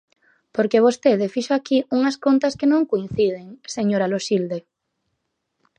Porque vostede fixo aquí unhas contas que non coinciden, señora Loxilde.